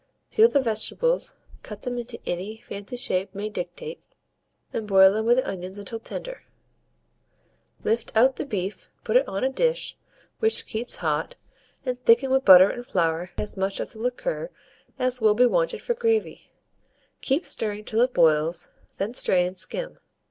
Peel the vegetables, cut them into any shape fancy may dictate, and boil them with the onions until tender; lift out the beef, put it on a dish, which keep hot, and thicken with butter and flour as much of the liquor as will be wanted for gravy; keep stirring till it boils, then strain and skim.